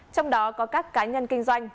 trong đó có các cá nhân kinh doanh